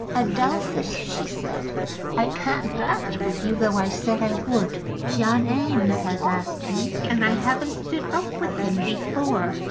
"Adolphus," she said, "I can't dance with you, though I said I would. John Eames has asked me, and I haven't stood up with him before.